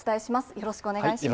よろしくお願いします。